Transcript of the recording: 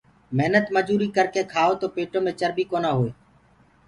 مهنت مجوري ڪرڪي کآئو تو پيٽو مي چرٻي نآ هوئي